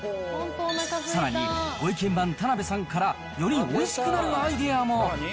さらにご意見番、田辺さんからよりおいしくなるアイデアも。